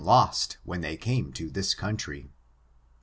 360 lost when they came to this country.